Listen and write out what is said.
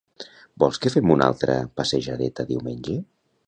Vols que fem una altra passejadeta diumenge?